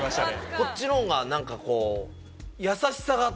こっちのほうが何かこう。